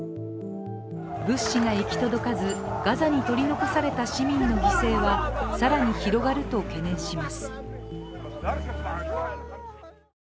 物資が行き届かずガザに取り残された市民の犠牲は更に広がると懸念します。